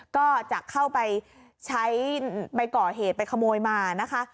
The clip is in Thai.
ก็จะเข้าไปใช้ไปก่อเหตุไปขโมยมานะคะ